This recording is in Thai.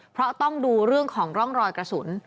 เพราะต้องดูเรื่องของร่องรอยกระสุน